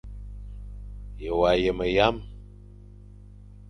Ye wa yeme yame.